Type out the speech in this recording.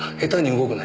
動くな！